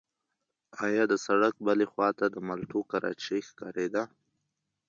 ایا د سړک بلې خوا ته د مالټو کراچۍ ښکارېده؟